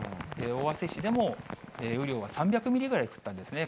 尾鷲市でも雨量が３００ミリぐらい降ったんですね。